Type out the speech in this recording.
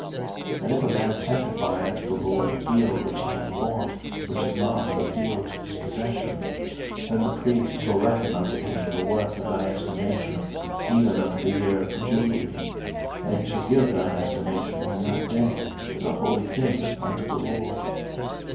03:027:022 And if a man sanctify unto the LORD a field which he hath bought, which is not of the fields of his possession; 03:027:023 Then the priest shall reckon unto him the worth of thy estimation, even unto the year of the jubile: and he shall give thine estimation in that day, as a holy thing unto the LORD.